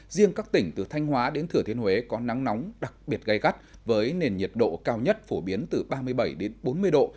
riêng các tỉnh từ thanh hóa đến thừa thiên huế có nắng nóng đặc biệt gai gắt với nền nhiệt độ cao nhất phổ biến từ ba mươi bảy đến bốn mươi độ